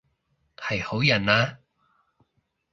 係好人啊？